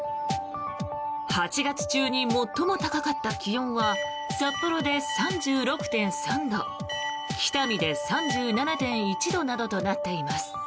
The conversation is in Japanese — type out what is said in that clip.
８月中に最も高かった気温は札幌で３６．３度北見で３７．１度などとなっています。